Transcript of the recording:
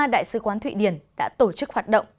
đại sứ quán thụy điển đã tổ chức hoạt động